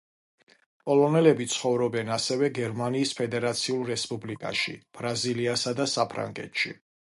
პოლონელები ცხოვრობენ ასევე გერმანიის ფედერაციულ რესპუბლიკაში, ბრაზილიასა და საფრანგეთში.